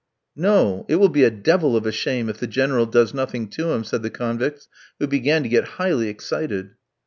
"No! It will be a devil of a shame if the General does nothing to him," said the convicts, who began to get highly excited.